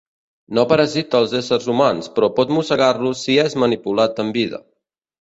No parasita els éssers humans, però pot mossegar-los si és manipulat en vida.